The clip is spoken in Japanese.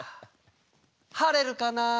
「晴れるかな」